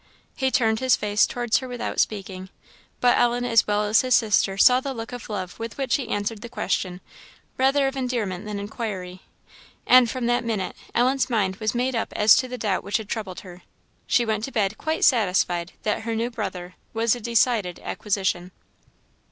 He turned his face towards her without speaking, but Ellen as well as his sister saw the look of love with which he answered her question, rather of endearment than inquiry; and from that minute Ellen's mind was made up as to the doubt which had troubled her. She went to bed quite satisfied that her new brother was a decided acquisition.